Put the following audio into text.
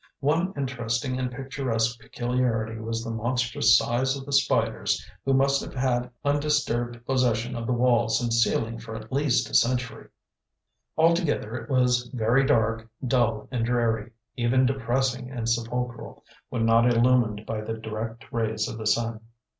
One interesting and picturesque peculiarity was the monstrous size of the spiders, who must have had undisturbed possession of the walls and ceiling for at least a century. Altogether, it was very dark, dull, and dreary, even depressing and sepulchral, when not illumined by the direct rays of the sun.